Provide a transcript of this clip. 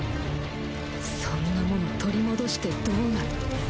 そんなもの取り戻してどうなる。